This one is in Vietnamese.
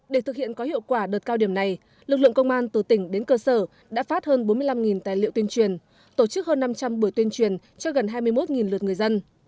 để thực hiện có hiệu quả đợt cao điểm này lực lượng công an từ tỉnh đến cơ sở đã phát hơn bốn mươi năm tài liệu tuyên truyền tổ chức hơn năm trăm linh buổi tuyên truyền cho gần hai mươi một lượt người dân